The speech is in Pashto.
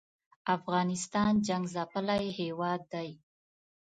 افغانستان جنګ څپلی هېواد دی